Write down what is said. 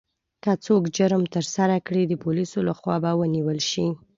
که څوک جرم ترسره کړي، د پولیسو لخوا به ونیول شي.